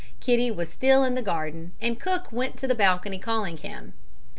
Kitty was still in the garden, and cook went to the balcony calling him.